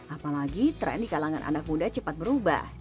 apalagi tren di kalangan anak muda cepat berubah